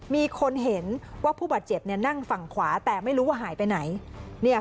มีคนเห็นว่าผู้บาดเจ็บนั่งฝั่งขวาแต่ไม่รู้ว่าหายไปไหน